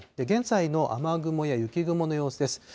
現在の雨雲や雪雲の様子です。